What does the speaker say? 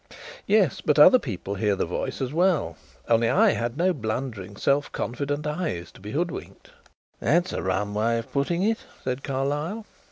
"Yes; but other people heard the voice as well. Only I had no blundering, self confident eyes to be hoodwinked." "That's a rum way of putting it," said Carlyle.